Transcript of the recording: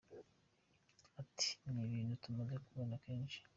Ati″ Ni ibintu tumaze kubona kenshi.